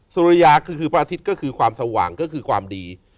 สุริยาคือพระอาทิตย์ก็คือความสว่างก็คือความดี